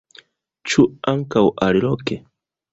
Ĉu ankaŭ aliloke?